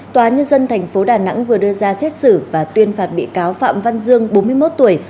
tòa nhân dân tp đà nẵng vừa đưa ra xét xử và tuyên phạt bị cáo phạm văn dương bốn mươi một tuổi